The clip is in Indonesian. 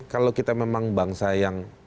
kalau kita memang bangsa yang